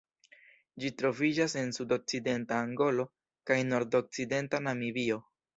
Ĝi troviĝas en sudokcidenta Angolo kaj nordokcidenta Namibio.